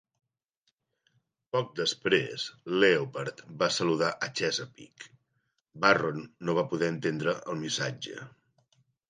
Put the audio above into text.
Poc després, "Leopard" va saludar a "Chesapeake"; Barron no va poder entendre el missatge.